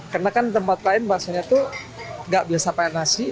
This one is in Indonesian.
karena kan tempat lain bakso nya tuh gak biasa pake nasi